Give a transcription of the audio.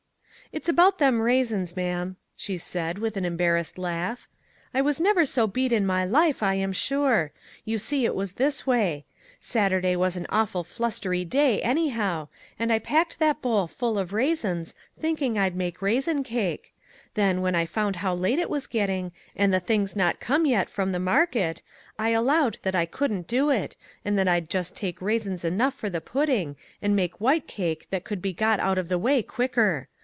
" It's about them raisins, ma'am," she said, with 'an embarrassed laugh. " I was never so beat in my life, I am sure. You see it was this way. Saturday was an awful flustery day anyhow, and I packed that bowl full of raisins, thinking I'd make raisin cake. Then, when I found how late it was getting, and the things not come yet from the market, I allowed that I couldn't do it, and that I'd take just raisins enough for the pudding, and make white cake; that could be got out of the way quicker.